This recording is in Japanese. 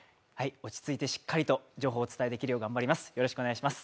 落ち着いてしっかりと情報をお伝えできるよう頑張ります。